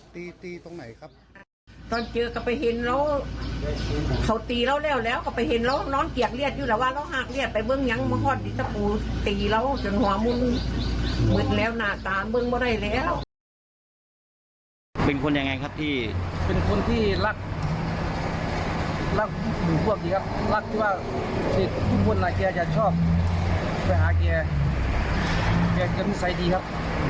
ตีแล้วจนหวังมึงเหมือนแล้วหน้าตามึงไม่ได้แล้ว